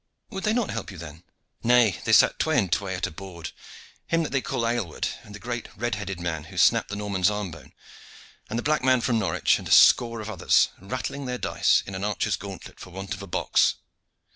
"Would they not help you then?" "Nay, they sat tway and tway at a board, him that they call Aylward and the great red headed man who snapped the Norman's arm bone, and the black man from Norwich, and a score of others, rattling their dice in an archer's gauntlet for want of a box.